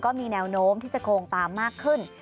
แนวโน้มที่จะโกงตามมากขึ้น